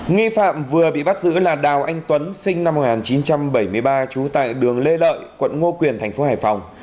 nghi phạm vừa bị bắt giữ là đào anh tuấn sinh năm một nghìn chín trăm bảy mươi ba trú tại đường lê lợi quận ngô quyền thành phố hải phòng